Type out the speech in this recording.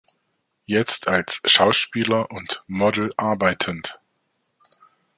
Jetzt als Schauspieler und Model arbeitend.